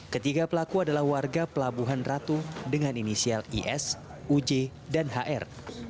ketiga pelaku adalah warga pelabuhan ratu dengan inisial is uj dan hr